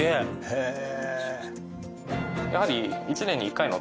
へえ。